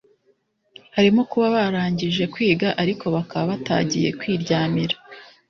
harimo kuba barangije kwiga ariko bakaba batagiye kwiryamira